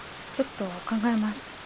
ちょっと考えます。